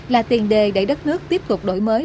là tiền đề để đất nước tiếp tục đổi mới